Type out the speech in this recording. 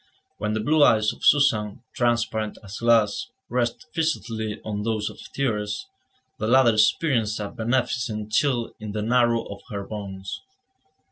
When the blue eyes of Suzanne, transparent as glass, rested fixedly on those of Thérèse, the latter experienced a beneficent chill in the marrow of her bones.